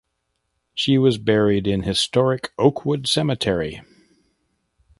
She was buried in Historic Oakwood Cemetery.